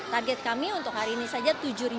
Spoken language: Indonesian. target kami untuk hari ini saja tujuh